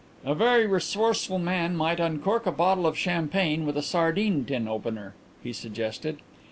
"A very resourceful man might uncork a bottle of champagne with a sardine tin opener," he suggested.